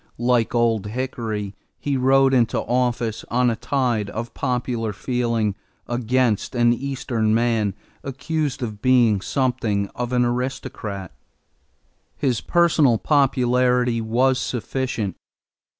Like Old Hickory he rode into office on a tide of popular feeling against an Eastern man accused of being something of an aristocrat. His personal popularity was sufficient.